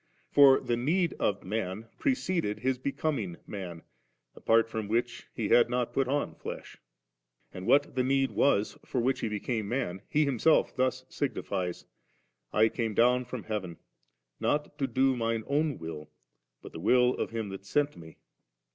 For the need of man preceded His becoming man, apart from which He had not put on flesh 4. And what the need was for which He became man. He Himself thus signifies, * I came down from heaven, not to do Mine own will, but the will of Him that sent Me.